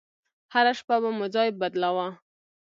هره شپه به مو ځاى بدلاوه.